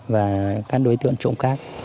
và các đối tượng trộm khác